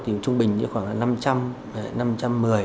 thì trung bình như khoảng là năm trăm linh năm trăm một mươi